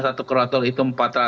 satu kloter itu empat ratus lima puluh